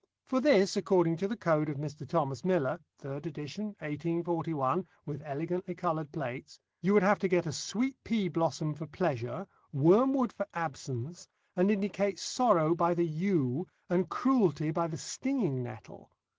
For this, according to the code of Mr. Thomas Miller (third edition, 1841, with elegantly coloured plates) you would have to get a sweet pea blossom for Pleasure, wormwood for Absence, and indicate Sorrow by the yew, and Cruelty by the stinging nettle.